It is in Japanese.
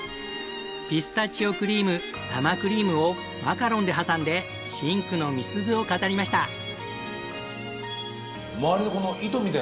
ピスタチオクリーム生クリームをマカロンで挟んで真紅の美鈴を飾りました。